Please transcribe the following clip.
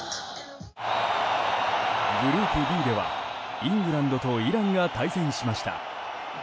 グループＢでは、イングランドとイランが対戦しました。